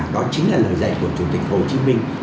đó chính là lời dạy của chủ tịch hồ chí minh